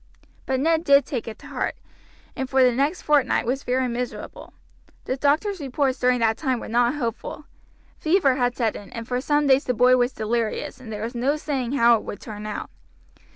But Ned did take it to heart, and for the next fortnight was very miserable. The doctor's reports during that time were not hopeful. Fever had set in, and for some days the boy was delirious, and there was no saying how it would turn out.